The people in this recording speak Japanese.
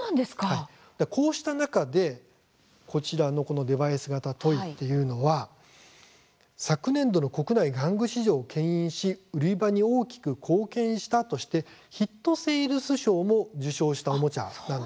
こうした中で、こちらのデバイス型トイっていうのは昨年度の国内玩具市場をけん引し売り場に大きく貢献したとしてヒット・セールス賞も受賞した、おもちゃなんです。